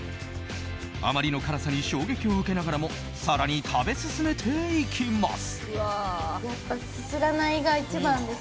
あまりの辛さに衝撃を受けながらも更に食べ進めていきます。